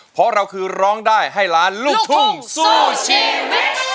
เพราะเราคือร้องได้ให้ล้านลูกทุ่งสู้ชีวิต